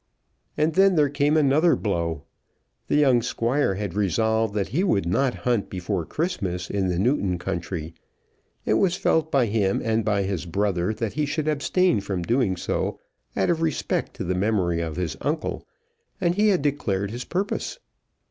And then there came another blow. The young Squire had resolved that he would not hunt before Christmas in the Newton country. It was felt by him and by his brother that he should abstain from doing so out of respect to the memory of his uncle, and he had declared his purpose.